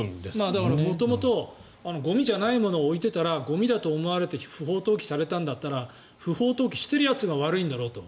だから元々ゴミじゃないものを置いていたらゴミだと思われて不法投棄されたんだったら不法投棄してるやつが悪いんだろと。